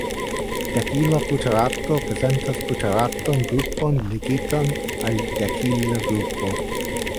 Dekila buterato prezentas buteratan grupon ligitan al dekila grupo.